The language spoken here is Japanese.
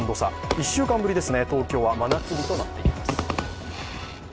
１週間ぶりですね、東京は真夏日となっています